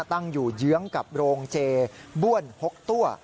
ตั้งอยู่เยื้องกับโรงเจบ้วน๖ตัว